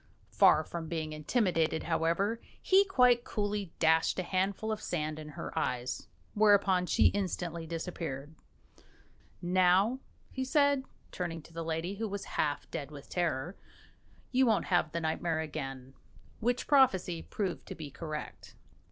Far from being intimidated, however, he quite coolly dashed a handful of sand in her eyes, whereupon she instantly disappeared. "Now," he said, turning to the lady, who was half dead with terror, "you won't have the nightmare again" which prophecy proved to be correct.